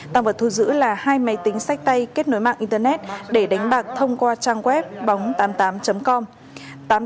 tăng vật thu giữ là hai máy tính sách tay kết nối mạng internet để đánh bạc thông qua trang web bóng tám mươi tám com